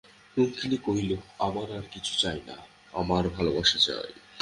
রুক্মিণী কহিল, আমার আর কিছু চাই না, আমার ভালোবাসা চাই।